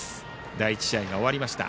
第１試合が終わりました。